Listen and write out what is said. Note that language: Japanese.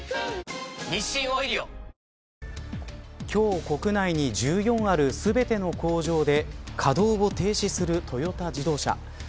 今日国内に１４ある全ての工場で稼働を停止するトヨタ自動車。